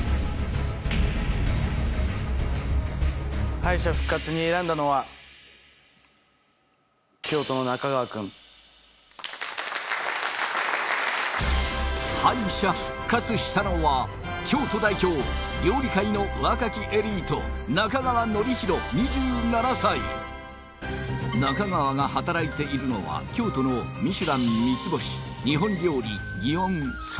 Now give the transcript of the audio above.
敗者復活に選んだのは京都の中川君敗者復活したのは京都代表料理界の若きエリート中川寛大２７歳中川が働いているのは京都のミシュラン三つ星日本料理祇園さゝ